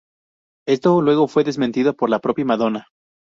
Esto luego fue desmentido por la propia Madonna.